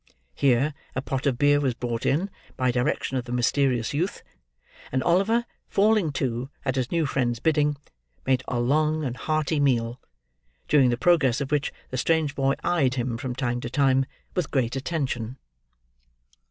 Here, a pot of beer was brought in, by direction of the mysterious youth; and Oliver, falling to, at his new friend's bidding, made a long and hearty meal, during the progress of which the strange boy eyed him from time to time with great attention.